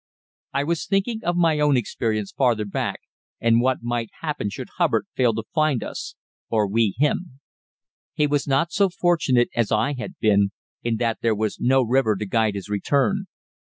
I was thinking of my own experience farther back, and what might happen should Hubbard fail to find us or we him. He was not so fortunate as I had been, in that there was no river to guide his return.